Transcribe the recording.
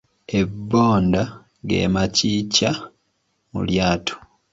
Ebbonda ge makikya mu lyato.